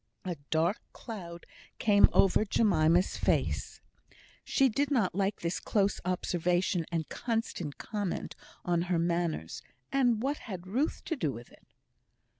A dark cloud came over Jemima's face. She did not like this close observation and constant comment upon her manners; and what had Ruth to do with it?